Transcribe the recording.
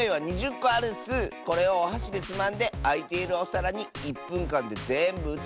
これをおはしでつまんであいているおさらに１ぷんかんでぜんぶうつせるか。